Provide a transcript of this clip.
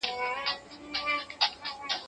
د ټولنیزو الوتنو بېلابیلې لارې شته.